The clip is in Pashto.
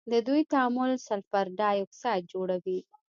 د دوی تعامل سلفر ډای اکسايډ جوړوي.